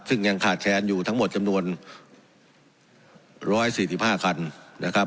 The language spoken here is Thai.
ซึ่งยังขาดแทนอยู่ทั้งหมดจำนวนร้อยสี่สิบห้าคันนะครับ